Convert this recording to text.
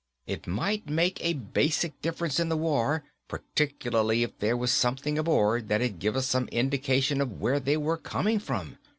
It might make a basic difference in the war, particularly if there was something aboard that'd give us some indication of where they were coming from.